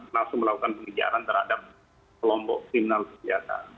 langsung melakukan penelitian terhadap kelompok kriminal bersenjata